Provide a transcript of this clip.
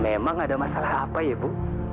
memang ada masalah apa ya bu